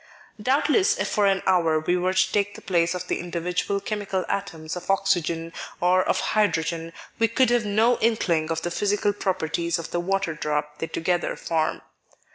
Doubtless if for an hour we were to take the place of the individual chemical atoms of Oxygen or of Hydrogen, we could have no inkling of the physical properties of the water drop they together form.